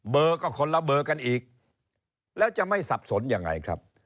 เบอร์ก็คนละเบอร์กันอีกแล้วจะไม่สับสนยังไงครับ